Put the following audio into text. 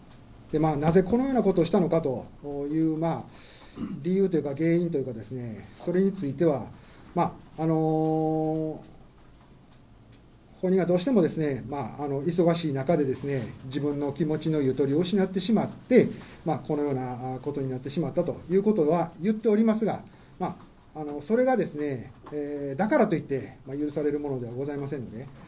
なぜこのようなことをしたのかという理由というか、原因については、それについては、本人はどうしても忙しい中で自分の気持ちのゆとりを失ってしまって、このようなことになってしまったということは言っておりますが、それが、だからといって許されるものではございませんので。